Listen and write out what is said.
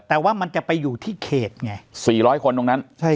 แต่ว่ามันจะไปอยู่ที่เขตไง๔๐๐คนตรงนั้นใช่